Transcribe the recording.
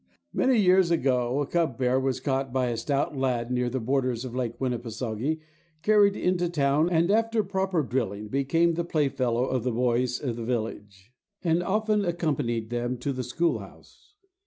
Many years ago a cub bear was caught by a stout lad near the borders of Lake Winipiseogee, carried into town, and after proper drilling, became the playfellow of the boys of the village, and often accompanied them to the school house.